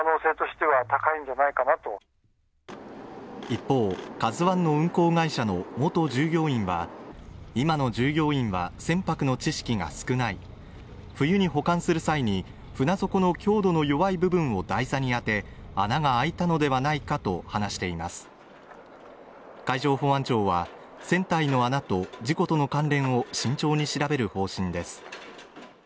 一方「ＫＡＺＵ１」の運航会社の元従業員は今の従業員は船舶の知識が少ない冬に保管する際に船底の強度の弱い部分を題材に当て穴があいたのではないかと話しています海上保安庁は船体の穴と事故との関連を慎重に調べる方針です